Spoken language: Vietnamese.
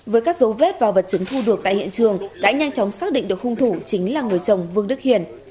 với các dấu vết và vật chứng thu được tại hiện trường đã nhanh chóng xác định được hung thủ chính là người chồng vương đức hiền